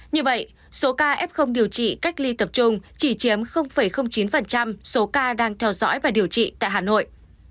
như vậy số ca f điều trị cách ly tập trung chỉ chiếm chín số ca đang theo dõi và điều trị tại hà nội